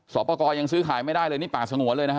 สอบประกอบยังซื้อขายไม่ได้เลยนี่ป่าสงวนเลยนะฮะ